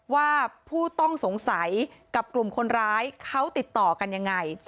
ว่าผู้ต้องสงสัยกับกลุ่มคนร้ายเขาติดต่อกันยังไง